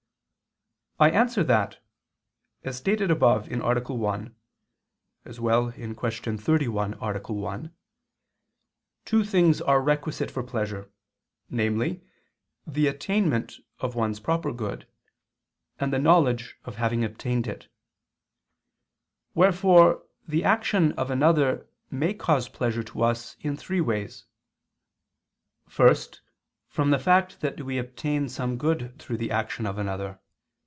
I answer that, As stated above (A. 1; Q. 31, A. 1), two things are requisite for pleasure, namely, the attainment of one's proper good, and the knowledge of having obtained it. Wherefore the action of another may cause pleasure to us in three ways. First, from the fact that we obtain some good through the action of another.